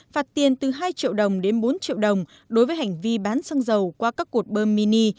phạt tiền từ hai triệu đồng đến bốn triệu đồng đối với hành vi bán xăng dầu qua các cột bơm mini